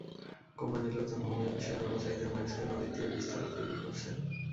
কোম্পানির লোকজন ভূমি অফিসের কর্মচারীদের ম্যানেজ করে নদীর তীরে বীজতলা তৈরি করছেন।